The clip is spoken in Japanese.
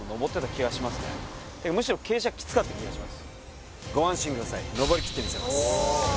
むしろ傾斜キツかった気がします